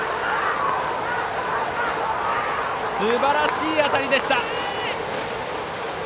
すばらしい当たりでした！